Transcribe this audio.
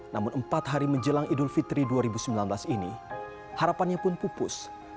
namun empat hari menjelang idul fitri dua ribu sembilan belas ini harapannya pun pupus